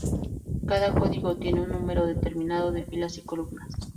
Cada código tiene un número determinado de filas y columnas.